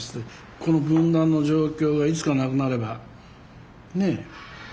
この分断の状況がいつかなくなればね